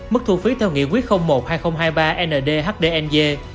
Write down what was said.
mức thu phí theo nghị quyết một hai nghìn hai mươi ba nd hdng